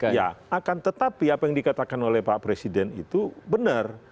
ya akan tetapi apa yang dikatakan oleh pak presiden itu benar